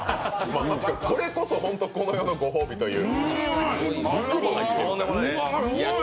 これこそホント、この世のご褒美という。